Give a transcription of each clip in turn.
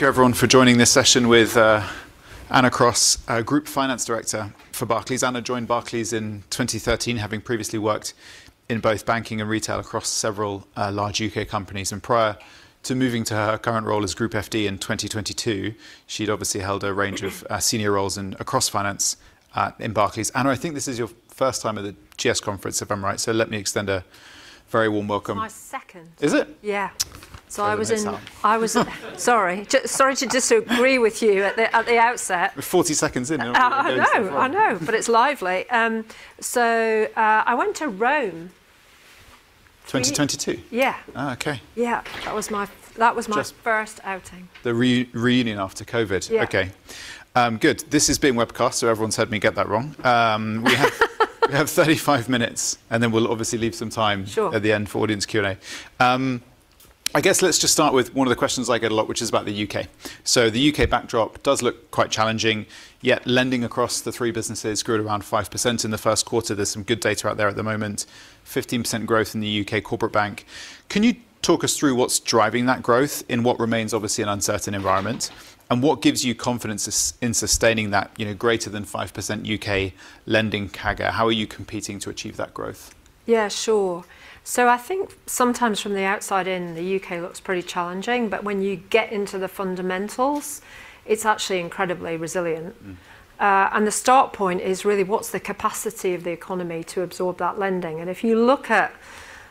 Thank you everyone for joining this session with Anna Cross, Group Finance Director for Barclays. Anna joined Barclays in 2013, having previously worked in both banking and retail across several large U.K. companies. Prior to moving to her current role as Group FD in 2022, she'd obviously held a range of senior roles across finance in Barclays. Anna, I think this is your first time at the GS Conference, if I'm right, so let me extend a very warm welcome. It's my second. Is it? Yeah. Well, then, noted. Sorry. Sorry to disagree with you at the outset. We're 40 seconds in and we're already going so far. I know, but it's lively. I went to Rome. 2022? Yeah. Oh, okay. Yeah. That was my first outing. The reunion after COVID. Yeah. Okay. Good. This is being webcast, everyone's heard me get that wrong. We have 35 minutes, we'll obviously leave some time at the end for audience Q&A. I guess let's just start with one of the questions I get a lot, which is about the U.K. The U.K. backdrop does look quite challenging, yet lending across the three businesses grew at around 5% in the first quarter. There's some good data out there at the moment, 15% growth in the U.K. corporate bank. Can you talk us through what's driving that growth in what remains obviously an uncertain environment? What gives you confidence in sustaining that greater than 5% U.K. lending CAGR? How are you competing to achieve that growth? Yeah, sure. I think sometimes from the outside in, the U.K. looks pretty challenging, but when you get into the fundamentals, it's actually incredibly resilient. The start point is really what's the capacity of the economy to absorb that lending. If you look at,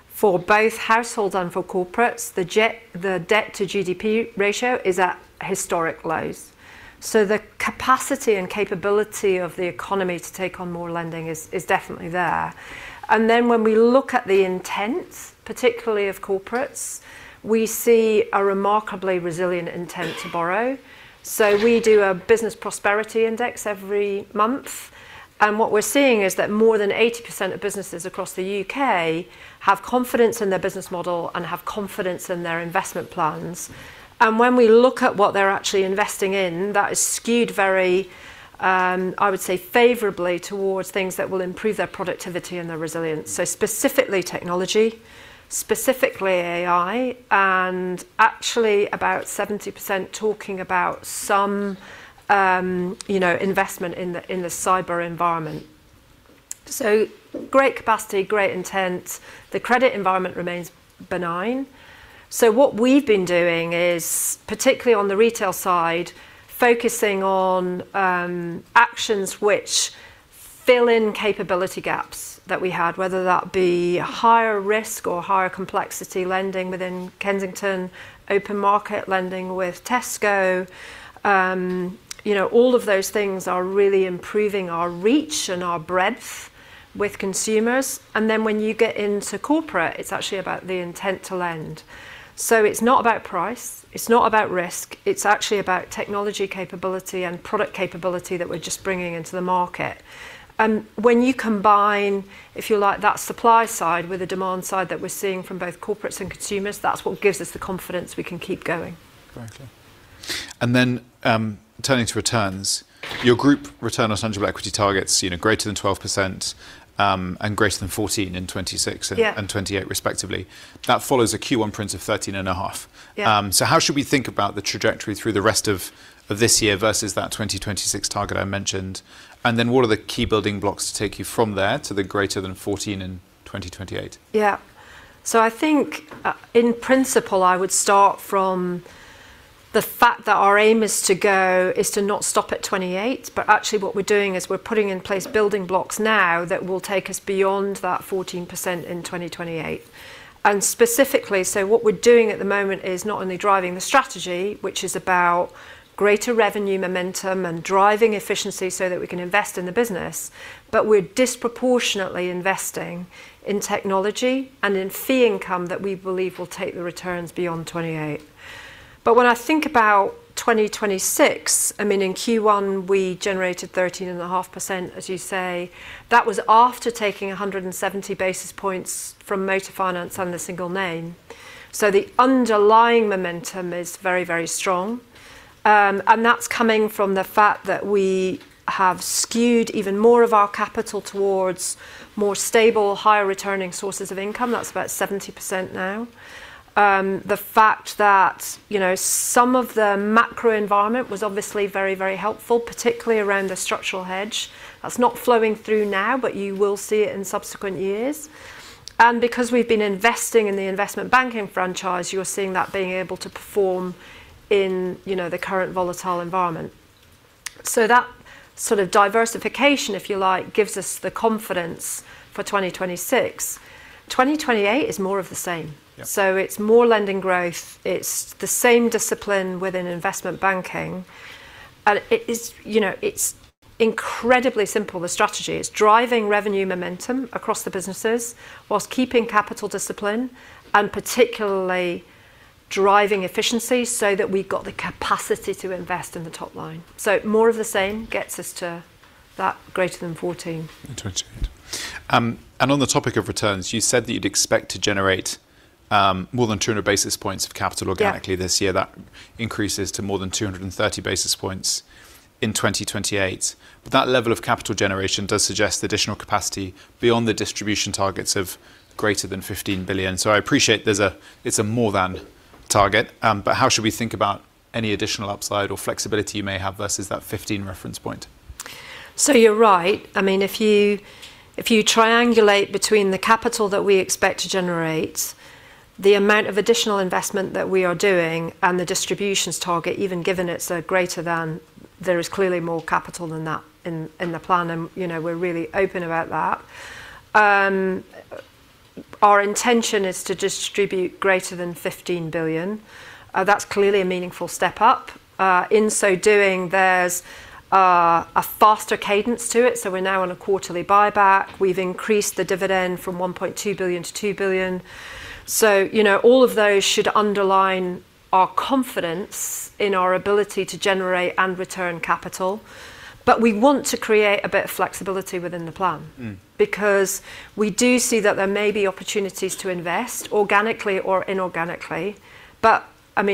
for both households and for corporates, the debt to GDP ratio is at historic lows. The capacity and capability of the economy to take on more lending is definitely there. When we look at the intents, particularly of corporates, we see a remarkably resilient intent to borrow. We do a Business Prosperity Index every month, and what we're seeing is that more than 80% of businesses across the U.K. have confidence in their business model and have confidence in their investment plans. When we look at what they're actually investing in, that is skewed very, I would say, favorably towards things that will improve their productivity and their resilience. Specifically technology, specifically AI, and actually about 70% talking about some investment in the cyber environment. Great capacity, great intent. The credit environment remains benign. What we've been doing is, particularly on the retail side, focusing on actions which fill in capability gaps that we had, whether that be higher risk or higher complexity lending within Kensington, open market lending with Tesco. All of those things are really improving our reach and our breadth with consumers. When you get into corporate, it's actually about the intent to lend. It's not about price, it's not about risk, it's actually about technology capability and product capability that we're just bringing into the market. When you combine, if you like, that supply side with the demand side that we're seeing from both corporates and consumers, that's what gives us the confidence we can keep going. Got you. Turning to returns, your group return on tangible equity targets greater than 12% and greater than 14 in 2026 and 2028 respectively. That follows a Q1 print of 13 and a half. How should we think about the trajectory through the rest of this year versus that 2026 target I mentioned? What are the key building blocks to take you from there to the greater than 14 in 2028? Yeah. I think, in principle, I would start from the fact that our aim is to not stop at 2028, but actually what we're doing is we're putting in place building blocks now that will take us beyond that 14% in 2028. Specifically, what we're doing at the moment is not only driving the strategy, which is about greater revenue momentum and driving efficiency so that we can invest in the business, but we're disproportionately investing in technology and in fee income that we believe will take the returns beyond 2028. When I think about 2026, in Q1 we generated 13.5%, as you say. That was after taking 170 basis points from motor finance and a single name. The underlying momentum is very strong. That's coming from the fact that we have skewed even more of our capital towards more stable, higher returning sources of income. That's about 70% now. The fact that some of the macro environment was obviously very helpful, particularly around the structural hedge. That's not flowing through now, but you will see it in subsequent years. Because we've been investing in the investment banking franchise, you're seeing that being able to perform in the current volatile environment. That sort of diversification, if you like, gives us the confidence for 2026. 2028 is more of the same. It's more lending growth. It's the same discipline within investment banking. It's incredibly simple, the strategy. It's driving revenue momentum across the businesses while keeping capital discipline and particularly driving efficiency so that we've got the capacity to invest in the top line. More of the same gets us to that greater than 14. In 2028. On the topic of returns, you said that you'd expect to generate more than 200 basis points of capital organically this year that increases to more than 230 basis points in 2028. That level of capital generation does suggest additional capacity beyond the distribution targets of greater than 15 billion. I appreciate it's a more than target. How should we think about any additional upside or flexibility you may have versus that 15 reference point? You're right. If you triangulate between the capital that we expect to generate, the amount of additional investment that we are doing, and the distributions target, even given it's a greater than, there is clearly more capital than that in the plan, and we're really open about that. Our intention is to distribute greater than 15 billion. That's clearly a meaningful step up. In so doing, there's a faster cadence to it, so we're now on a quarterly buyback. We've increased the dividend from 1.2 billion to 2 billion. All of those should underline our confidence in our ability to generate and return capital. We want to create a bit of flexibility within the plan. We do see that there may be opportunities to invest organically or inorganically.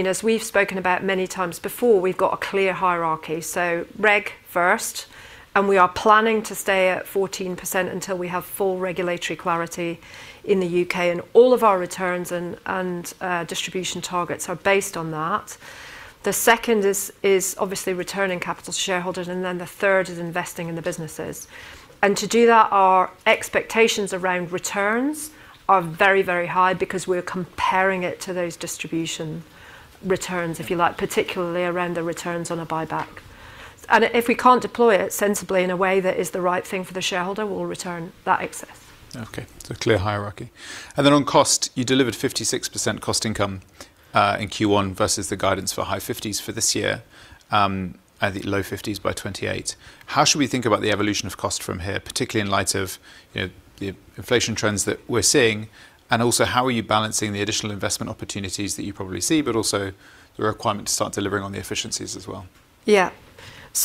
As we've spoken about many times before, we've got a clear hierarchy. Reg first, we are planning to stay at 14% until we have full regulatory clarity in the U.K., all of our returns and distribution targets are based on that. The second is obviously returning capital to shareholders, the third is investing in the businesses. To do that, our expectations around returns are very, very high because we're comparing it to those distribution returns, if you like, particularly around the returns on a buyback. If we can't deploy it sensibly in a way that is the right thing for the shareholder, we'll return that excess. Okay. Clear hierarchy. On cost, you delivered 56% cost income, in Q1 versus the guidance for high 50s for this year, and the low 50s by 2028. How should we think about the evolution of cost from here, particularly in light of the inflation trends that we're seeing? Also, how are you balancing the additional investment opportunities that you probably see, but also the requirement to start delivering on the efficiencies as well?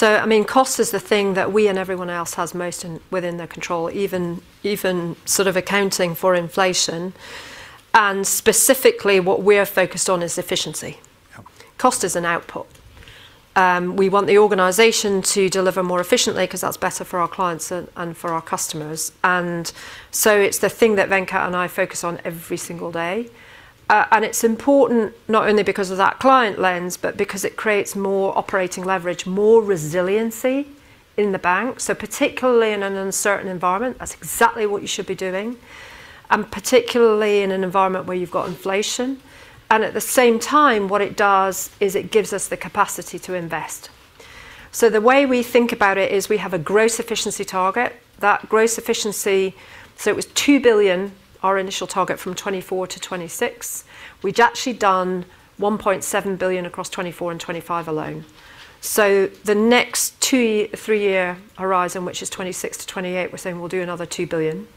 Yeah. Cost is the thing that we and everyone else has most within their control, even sort of accounting for inflation. Specifically, what we're focused on is efficiency. Cost is an output. We want the organization to deliver more efficiently because that's better for our clients and for our customers. It's the thing that Venkat and I focus on every single day. It's important not only because of that client lens, but because it creates more operating leverage, more resiliency in the bank. Particularly in an uncertain environment, that's exactly what you should be doing, and particularly in an environment where you've got inflation. At the same time, what it does is it gives us the capacity to invest. The way we think about it is we have a gross efficiency target. That gross efficiency, it was 2 billion, our initial target from 2024 to 2026. We'd actually done 1.7 billion across 2024 and 2025 alone. The next three-year horizon, which is 2026 to 2028, we're saying we'll do another 2 billion.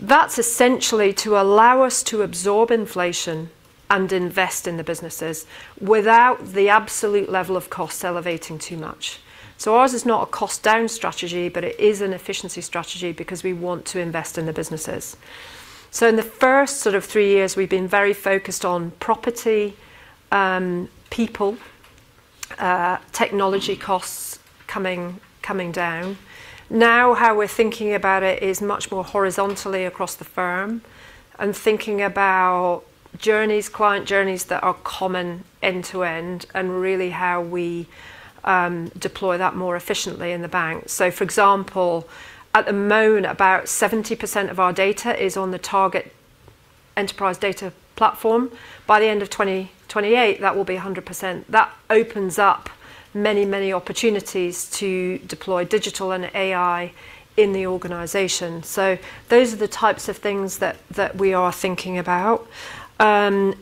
That's essentially to allow us to absorb inflation and invest in the businesses without the absolute level of cost elevating too much. Ours is not a cost-down strategy, but it is an efficiency strategy because we want to invest in the businesses. In the first sort of three years, we've been very focused on property, people, technology costs coming down. How we're thinking about it is much more horizontally across the firm and thinking about journeys, client journeys that are common end to end, and really how we deploy that more efficiently in the bank. For example, at the moment, about 70% of our data is on the target enterprise data platform. By the end of 2028, that will be 100%. That opens up many, many opportunities to deploy digital and AI in the organization. Those are the types of things that we are thinking about.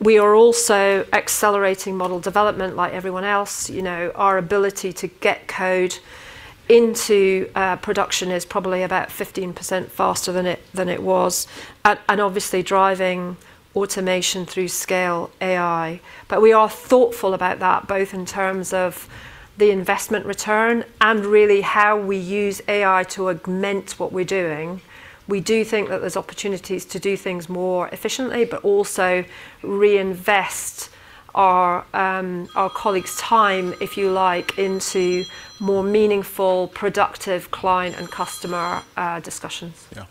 We are also accelerating model development like everyone else. Our ability to get code into production is probably about 15% faster than it was and obviously driving automation through scale AI. We are thoughtful about that, both in terms of the investment return and really how we use AI to augment what we're doing. We do think that there's opportunities to do things more efficiently, but also reinvest our colleagues' time, if you like, into more meaningful, productive client and customer discussions. Yeah.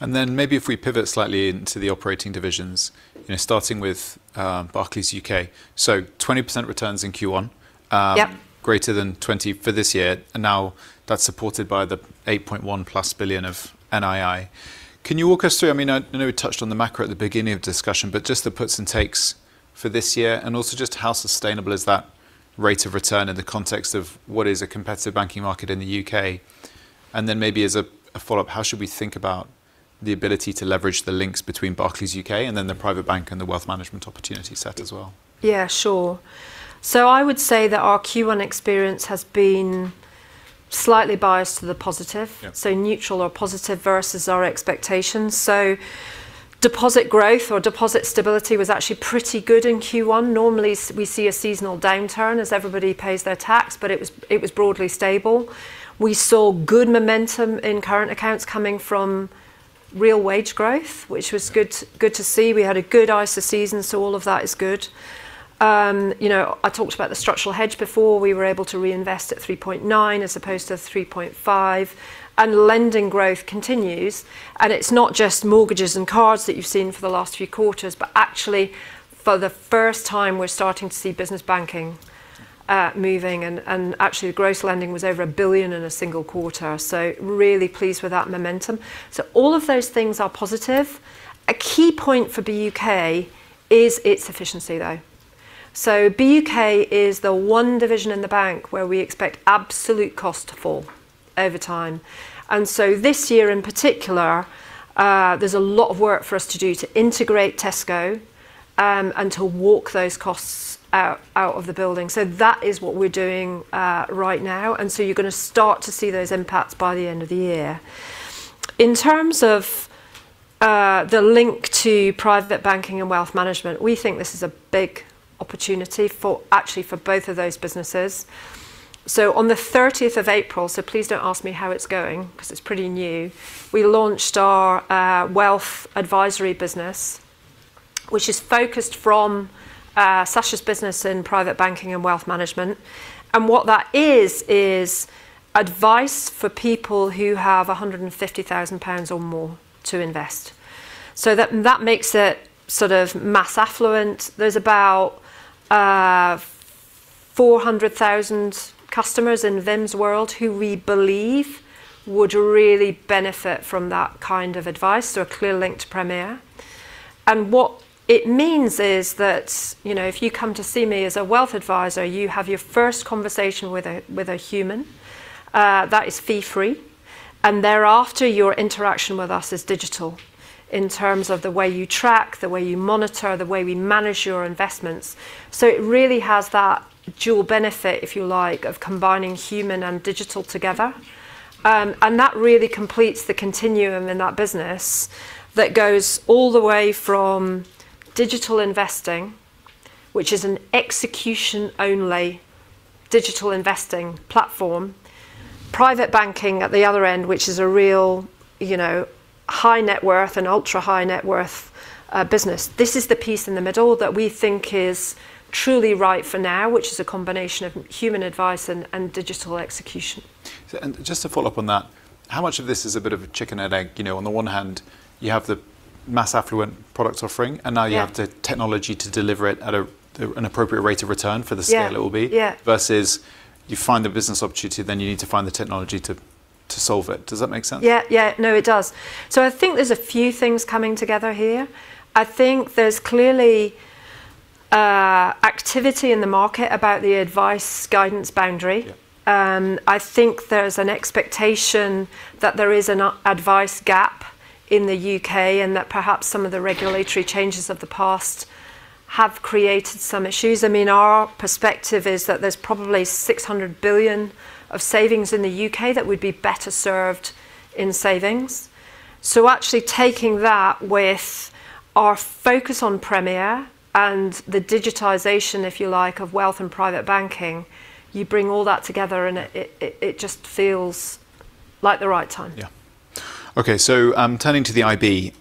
Then maybe if we pivot slightly into the operating divisions, starting with Barclays UK. 20% returns in Q1 greater than 20 for this year. Now that's supported by the 8.1+ billion of NII. Can you walk us through, I know we touched on the macro at the beginning of the discussion, but just the puts and takes for this year, and also just how sustainable is that rate of return in the context of what is a competitive banking market in the U.K.? Then maybe as a follow-up, how should we think about the ability to leverage the links between Barclays UK and then the Private Bank and Wealth Management opportunity set as well? Yeah, sure. I would say that our Q1 experience has been slightly biased to the positive. Neutral or positive versus our expectations. Deposit growth or deposit stability was actually pretty good in Q1. Normally, we see a seasonal downturn as everybody pays their tax, but it was broadly stable. We saw good momentum in current accounts coming from real wage growth, which was good to see. We had a good ISA season, all of that is good. I talked about the structural hedge before. We were able to reinvest at 3.9 as opposed to 3.5 and lending growth continues. It's not just mortgages and cars that you've seen for the last few quarters, but actually for the first time, we're starting to see business banking moving, actually gross lending was over 1 billion in a single quarter, really pleased with that momentum. All of those things are positive. A key point for BUK is its efficiency, though. BUK is the one division in the bank where we expect absolute cost to fall over time. This year in particular, there's a lot of work for us to do to integrate Tesco, and to walk those costs out of the building. That is what we're doing right now. You're going to start to see those impacts by the end of the year. In terms of the link to Private Bank and Wealth Management, we think this is a big opportunity actually for both of those businesses. On the 30th of April, so please don't ask me how it's going because it's pretty new, we launched our wealth advisory business, which is focused from, such as business in Private Bank and Wealth Management. What that is advice for people who have 150,000 pounds or more to invest. That makes it sort of mass affluent. There's about 400,000 customers in Vim's world who we believe would really benefit from that kind of advice. A clear link to Premier. What it means is that, if you come to see me as a wealth advisor, you have your first conversation with a human, that is fee free. Thereafter, your interaction with us is digital in terms of the way you track, the way you monitor, the way we manage your investments. It really has that dual benefit, if you like, of combining human and digital together. That really completes the continuum in that business that goes all the way from Digital Investing, which is an execution-only Digital Investing platform, Private Banking at the other end, which is a real high net worth and ultra-high net worth business. This is the piece in the middle that we think is truly right for now, which is a combination of human advice and digital execution. Just to follow up on that, how much of this is a bit of a chicken and egg? On the one hand, you have the mass affluent product offering and the technology to deliver it at an appropriate rate of return for the scale it will be. You find the business opportunity, then you need to find the technology to solve it. Does that make sense? Yeah. No, it does. I think there's a few things coming together here. I think there's clearly activity in the market about the advice guidance boundary. I think there's an expectation that there is an advice gap in the U.K. That perhaps some of the regulatory changes of the past have created some issues. Our perspective is that there's probably 600 billion of savings in the U.K. that would be better served in savings. Actually taking that with our focus on Premier and the digitization, if you like, of wealth and private banking, you bring all that together and it just feels like the right time. Okay. Turning to the IB,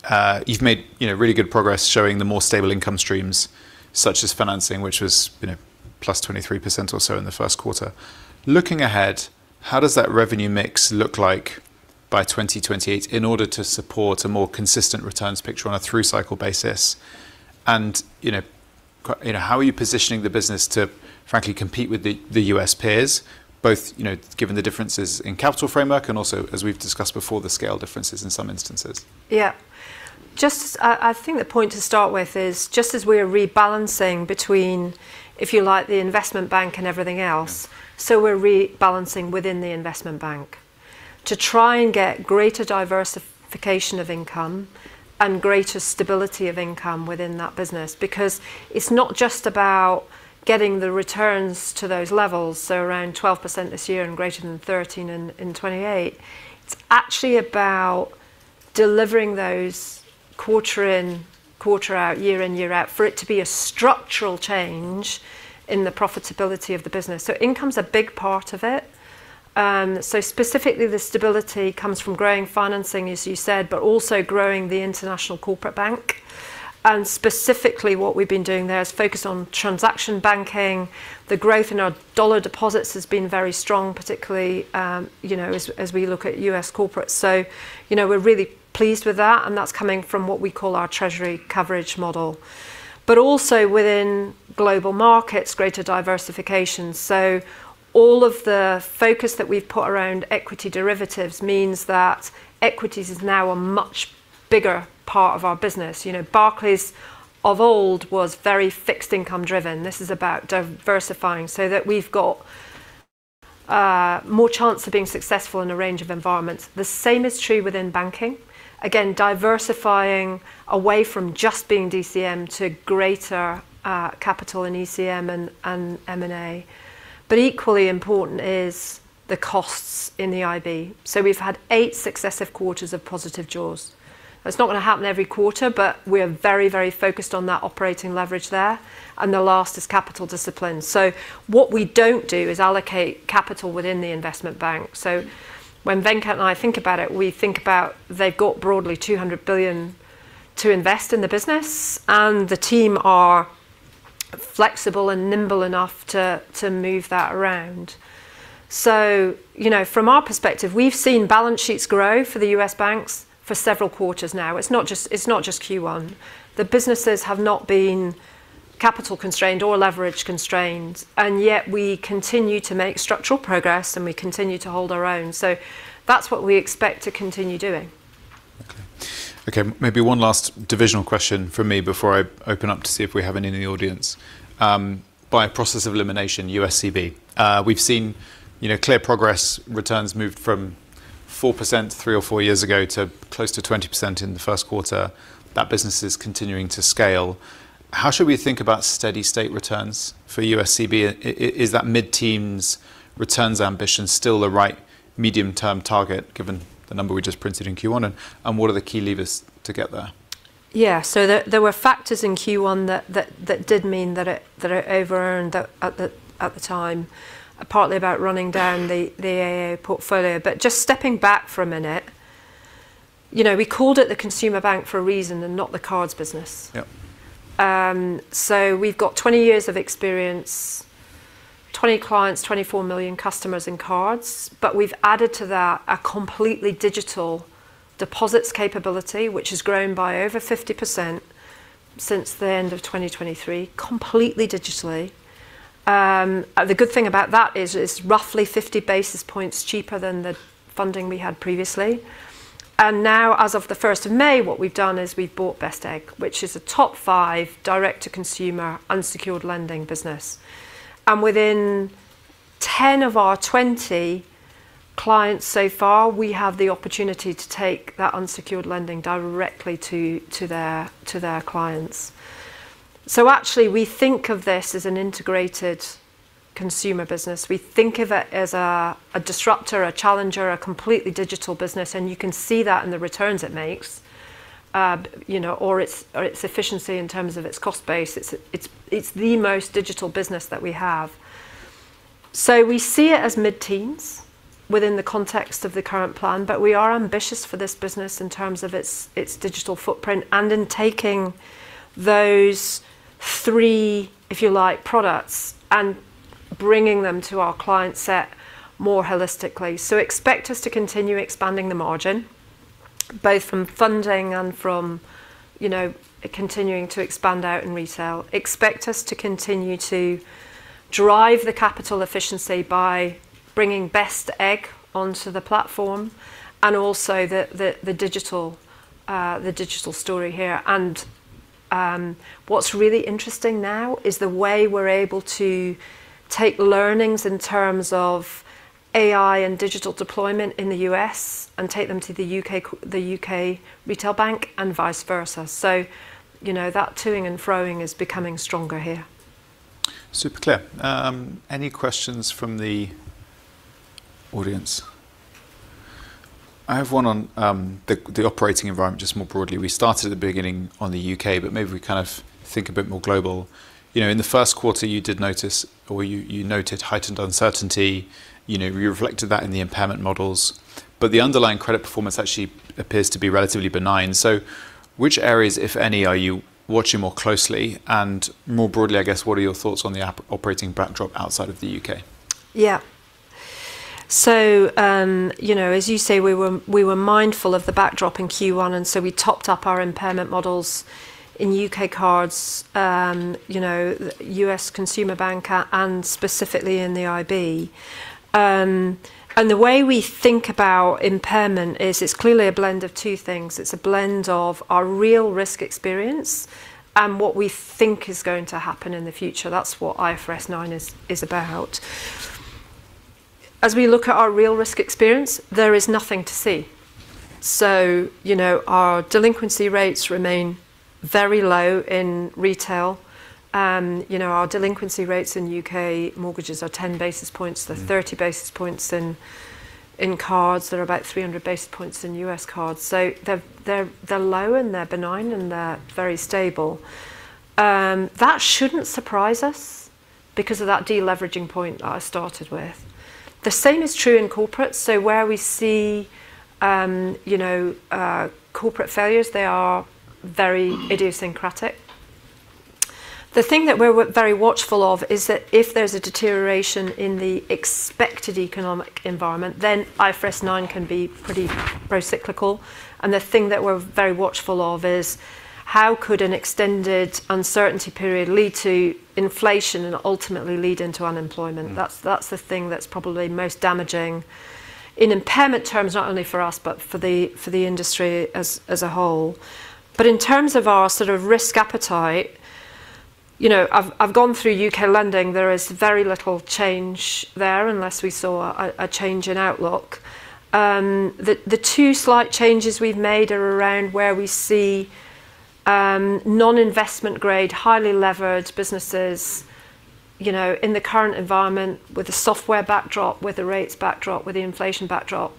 you've made really good progress showing the more stable income streams such as financing, which was plus 23% or so in the first quarter. Looking ahead, how does that revenue mix look like by 2028 in order to support a more consistent returns picture on a through cycle basis? How are you positioning the business to frankly compete with the U.S. peers, both given the differences in capital framework and also, as we've discussed before, the scale differences in some instances. Yeah. I think the point to start with is just as we are rebalancing between, if you like, the investment bank and everything else, so we're rebalancing within the investment bank to try and get greater diversification of income and greater stability of income within that business. It's not just about getting the returns to those levels, so around 12% this year and greater than 13% in 2028. It's actually about delivering those quarter in, quarter out, year in, year out for it to be a structural change in the profitability of the business. Income's a big part of it. Specifically, the stability comes from growing financing, as you said, but also growing the International Corporate Bank. Specifically what we've been doing there is focus on transaction banking. The growth in our dollar deposits has been very strong, particularly as we look at U.S. corporates. We're really pleased with that, and that's coming from what we call our treasury coverage model. Also within global markets, greater diversification. All of the focus that we've put around equity derivatives means that equities is now a much bigger part of our business. Barclays of old was very fixed income driven. This is about diversifying so that we've got more chance of being successful in a range of environments. The same is true within banking. Again, diversifying away from just being DCM to greater capital and ECM and M&A. Equally important is the costs in the IB. We've had eight successive quarters of positive jaws. That's not going to happen every quarter, but we are very focused on that operating leverage there. The last is capital discipline. What we don't do is allocate capital within the investment bank. When Venkat and I think about it, we think about they've got broadly 200 billion to invest in the business, and the team are flexible and nimble enough to move that around. From our perspective, we've seen balance sheets grow for the U.S. banks for several quarters now. It's not just Q1. The businesses have not been capital constrained or leverage constrained, and yet we continue to make structural progress, and we continue to hold our own. That's what we expect to continue doing. Okay. Maybe one last divisional question from me before I open up to see if we have any in the audience. By process of elimination, USCB. We've seen clear progress. Returns moved from 4% three or four years ago to close to 20% in the first quarter. That business is continuing to scale. How should we think about steady state returns for USCB? Is that mid-teens returns ambition still the right medium-term target, given the number we just printed in Q1, and what are the key levers to get there? Yeah. There were factors in Q1 that did mean that it over-earned at the time, partly about running down the AA portfolio. Just stepping back for a minute, we called it the consumer bank for a reason, and not the cards business. We've got 20 years of experience, 20 clients, 24 million customers and cards, but we've added to that a completely digital deposits capability, which has grown by over 50% since the end of 2023, completely digitally. The good thing about that is it's roughly 50 basis points cheaper than the funding we had previously. Now, as of the 1st of May, what we've done is we've brought Best Egg, which is a top 5 direct-to-consumer unsecured lending business. Within 10 of our 20 clients so far, we have the opportunity to take that unsecured lending directly to their clients. Actually, we think of this as an integrated consumer business. We think of it as a disruptor, a challenger, a completely digital business, and you can see that in the returns it makes or its efficiency in terms of its cost base. It's the most digital business that we have. We see it as mid-teens within the context of the current plan, but we are ambitious for this business in terms of its digital footprint and in taking those three, if you like, products and bringing them to our client set more holistically. Expect us to continue expanding the margin, both from funding and from continuing to expand out in retail. Expect us to continue to drive the capital efficiency by bringing Best Egg onto the platform and also the digital story here. What's really interesting now is the way we're able to take learnings in terms of AI and digital deployment in the U.S. and take them to the U.K. retail bank and vice versa. That to-ing and fro-ing is becoming stronger here. Super clear. Any questions from the audience? I have one on the operating environment just more broadly. We started at the beginning on the U.K., but maybe we think a bit more global. In the first quarter, you did notice, or you noted heightened uncertainty. You reflected that in the impairment models. The underlying credit performance actually appears to be relatively benign. Which areas, if any, are you watching more closely and more broadly, I guess, what are your thoughts on the operating backdrop outside of the U.K.? Yeah. As you say, we were mindful of the backdrop in Q1, and so we topped up our impairment models in U.K. cards, US Consumer Bank, and specifically in the IB. The way we think about impairment is it's clearly a blend of two things. It's a blend of our real risk experience and what we think is going to happen in the future. That's what IFRS 9 is about. As we look at our real risk experience, there is nothing to see. Our delinquency rates remain very low in retail. Our delinquency rates in U.K. mortgages are 10 basis points. They're 30 basis points in cards. They're about 300 basis points in U.S. cards. They're low and they're benign and they're very stable. That shouldn't surprise us because of that deleveraging point that I started with. The same is true in corporate. Where we see corporate failures, they are very idiosyncratic. The thing that we're very watchful of is that if there's a deterioration in the expected economic environment, then IFRS 9 can be pretty pro-cyclical. The thing that we're very watchful of is how could an extended uncertainty period lead to inflation and ultimately lead into unemployment. That's the thing that's probably most damaging in impairment terms, not only for us, but for the industry as a whole. In terms of our sort of risk appetite, I've gone through U.K. lending. There is very little change there unless we saw a change in outlook. The two slight changes we've made are around where we see non-investment grade, highly leveraged businesses, in the current environment with a softer backdrop, with the rates backdrop, with the inflation backdrop,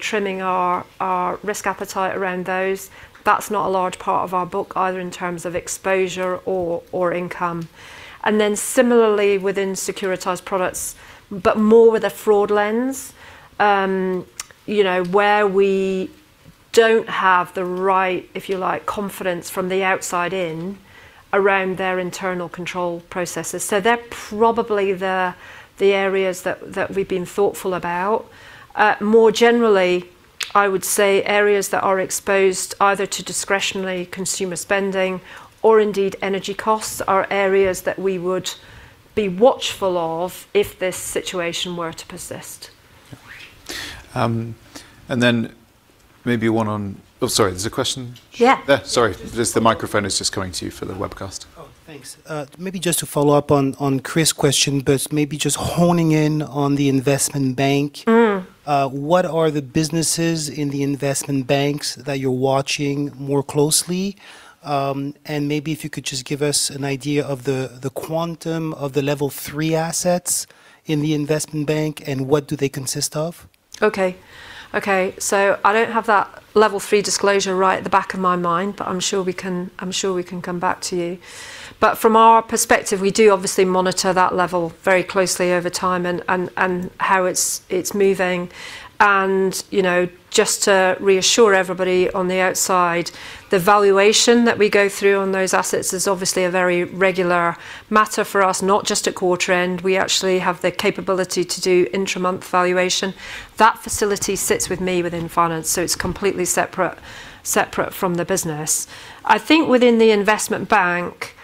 trimming our risk appetite around those. That's not a large part of our book either in terms of exposure or income. Similarly within securitized products, but more with a fraud lens, where we don't have the right, if you like, confidence from the outside in around their internal control processes. They're probably the areas that we've been thoughtful about. More generally, I would say areas that are exposed either to discretionary consumer spending or indeed energy costs are areas that we would be watchful of if this situation were to persist. Yeah. Then maybe one Oh, sorry. There's a question? Yeah. Yeah, sorry. Just the microphone is just coming to you for the webcast. Oh, thanks. Maybe just to follow up on Chris' question, but maybe just honing in on the investment bank. What are the businesses in the investment banks that you're watching more closely? Maybe if you could just give us an idea of the quantum of the Level 3 assets in the investment bank, and what do they consist of? I don't have that Level 3 disclosure right at the back of my mind, but I'm sure we can come back to you. From our perspective, we do obviously monitor that level very closely over time and how it's moving. Just to reassure everybody on the outside, the valuation that we go through on those assets is obviously a very regular matter for us, not just at quarter end. We actually have the capability to do intra-month valuation. That facility sits with me within finance, so it's completely separate from the business. I think within the investment bank,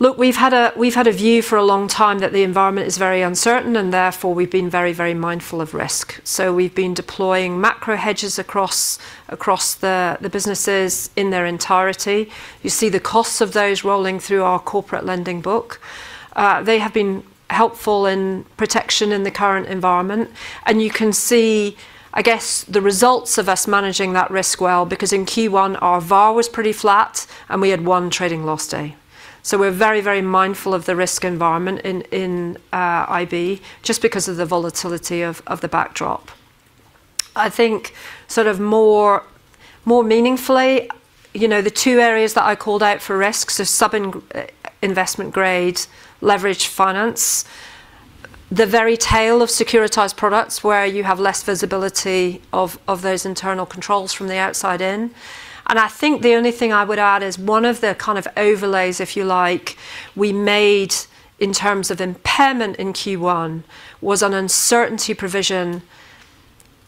look, we've had a view for a long time that the environment is very uncertain, and therefore we've been very mindful of risk. We've been deploying macro hedges across the businesses in their entirety. You see the costs of those rolling through our corporate lending book. They have been helpful in protection in the current environment. You can see, I guess, the results of us managing that risk well, because in Q1, our VaR was pretty flat, and we had one trading loss day. We're very mindful of the risk environment in IB, just because of the volatility of the backdrop. I think sort of more meaningfully, the two areas that I called out for risks are sub-investment grade, leveraged finance. The very tail of securitized products where you have less visibility of those internal controls from the outside in. I think the only thing I would add is one of the kind of overlays, if you like, we made in terms of impairment in Q1 was an uncertainty provision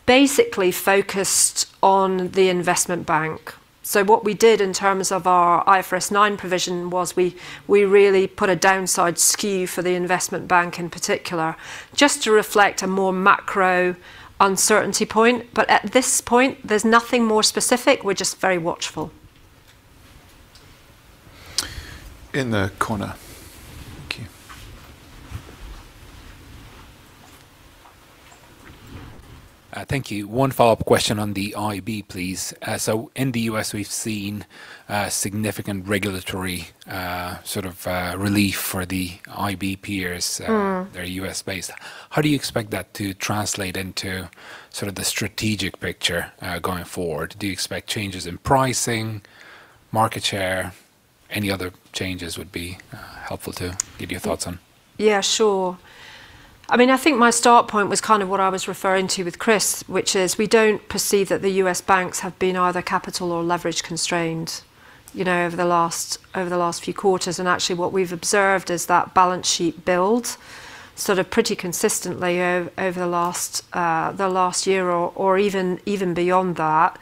basically focused on the investment bank. What we did in terms of our IFRS 9 provision was we really put a downside skew for the investment bank in particular, just to reflect a more macro uncertainty point. At this point, there's nothing more specific. We're just very watchful. In the corner. Thank you. Thank you. One follow-up question on the IB, please. In the U.S., we've seen significant regulatory sort of relief for the IB peers, they're U.S.-based. How do you expect that to translate into sort of the strategic picture going forward? Do you expect changes in pricing, market share? Any other changes would be helpful to give your thoughts on. Yeah, sure. I think my start point was kind of what I was referring to with Chris, which is we don't perceive that the U.S. banks have been either capital or leverage constrained over the last few quarters. Actually, what we've observed is that balance sheet build sort of pretty consistently over the last year or even beyond that.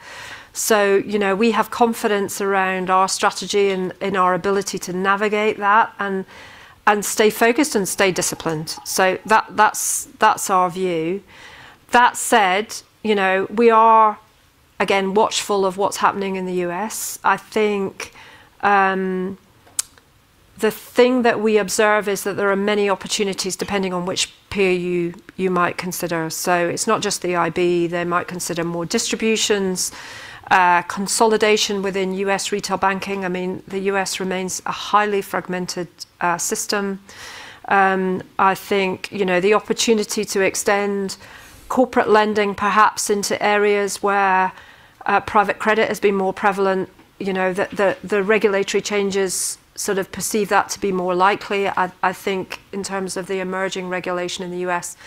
We have confidence around our strategy and in our ability to navigate that and stay focused and stay disciplined. That's our view. That said, we are, again, watchful of what's happening in the U.S. I think the thing that we observe is that there are many opportunities depending on which peer you might consider. It's not just the IB. They might consider more distributions, consolidation within U.S. retail banking. The U.S. remains a highly fragmented system. I think the opportunity to extend corporate lending perhaps into areas where private credit has been more prevalent, the regulatory changes sort of perceive that to be more likely, I think, in terms of the emerging regulation in the U.S.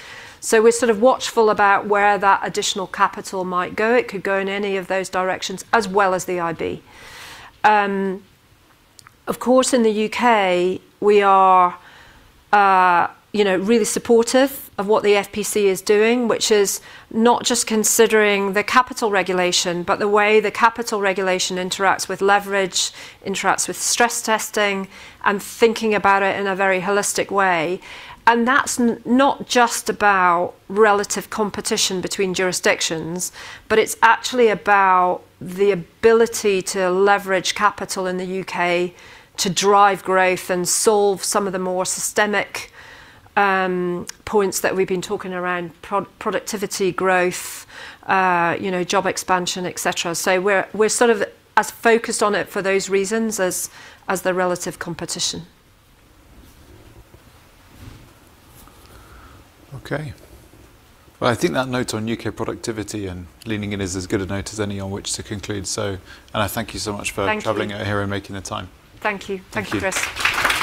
We're sort of watchful about where that additional capital might go. It could go in any of those directions as well as the IB. In the U.K., we are really supportive of what the FPC is doing, which is not just considering the capital regulation, but the way the capital regulation interacts with leverage, interacts with stress testing, and thinking about it in a very holistic way. That's not just about relative competition between jurisdictions, but it's actually about the ability to leverage capital in the U.K. to drive growth and solve some of the more systemic points that we've been talking around productivity growth, job expansion, et cetera. We're sort of as focused on it for those reasons as the relative competition. Okay. Well, I think that note on U.K. productivity and leaning in is as good a note as any on which to conclude. Anna, thank you so much for traveling out here and making the time. Thank you. Thank you. Thank you, Chris. Thank you.